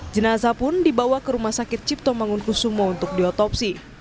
jenazah pun dibawa ke rumah sakit cipto mangunkusumo untuk diotopsi